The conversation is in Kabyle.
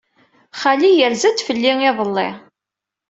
Xali yerza-d fell-i iḍelli.